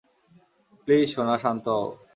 Please, সোনা, শান্ত হও।